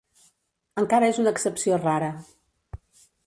Encara és una excepció rara